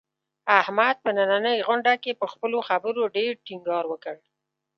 احمد په نننۍ غونډه کې، په خپلو خبرو ډېر ټینګار وکړ.